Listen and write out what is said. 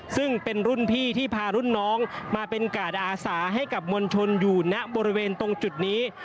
ซึ่งเป็นรุ่นพี่ที่พารุ่นน้องมาเป็นกาดอาสาให้กับมวลชนอยู่ณบริเวณตรงจุดนี้